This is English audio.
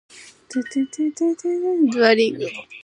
Items always have a level and a class.